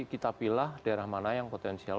kita pilih daerah mana yang potensial